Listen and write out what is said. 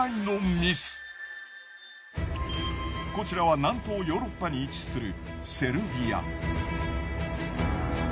こちらは南東ヨーロッパに位置するセルビア。